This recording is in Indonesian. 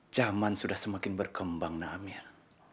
zaman sudah semakin berkembang naamnya